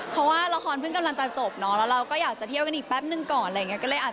เพราะว่าละครเพิ่งกำลังจะจบนะ